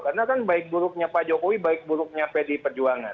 karena kan baik buruknya pak jokowi baik buruknya pd perjuangan